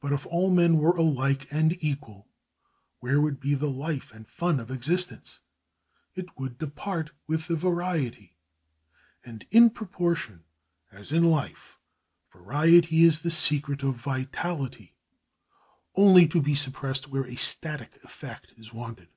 But if all men were alike and equal, where would be the life and fun of existence? it would depart with the variety. And in proportion, as in life, variety is the secret of vitality, only to be suppressed where a static effect is wanted.